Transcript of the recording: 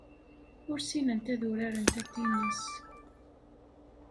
Ur ssinent ad urarent atennis.